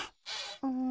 うん。